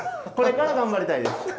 これから頑張りたいです。